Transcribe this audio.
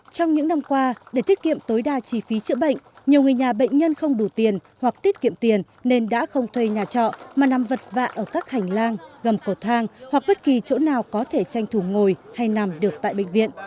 trong những năm qua để tiết kiệm tối đa chi phí chữa bệnh nhiều người nhà bệnh nhân không đủ tiền hoặc tiết kiệm tiền nên đã không thuê nhà trọ mà nằm vật vạ ở các hành lang gầm cột thang hoặc bất kỳ chỗ nào có thể tranh thủ ngồi hay nằm được tại bệnh viện